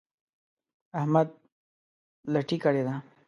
احمد لټي کړې ده.